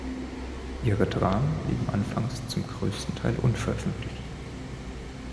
Ihre Dramen blieben anfangs zum größten Teil unveröffentlicht.